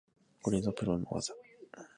これぞプロの技